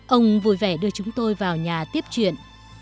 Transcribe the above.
ông vui vẻ đưa chúng tôi vào nhà tiếp chuyện